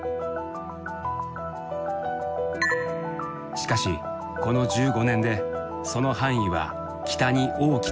しかしこの１５年でその範囲は北に大きく移動したのだ。